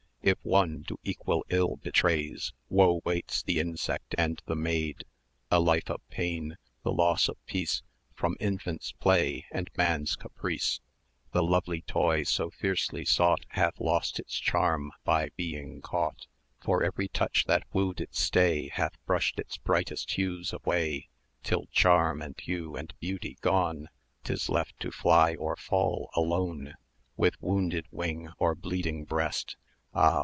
If won, to equal ills betrayed,[dm] 400 Woe waits the insect and the maid; A life of pain, the loss of peace; From infant's play, and man's caprice: The lovely toy so fiercely sought Hath lost its charm by being caught, For every touch that wooed its stay Hath brushed its brightest hues away, Till charm, and hue, and beauty gone, 'Tis left to fly or fall alone. With wounded wing, or bleeding breast, 410 Ah!